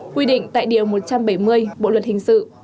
quy định tại điều một trăm bảy mươi bộ luật hình sự